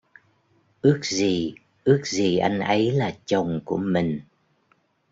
Ước gì ước gì anh ấy là chồng của mình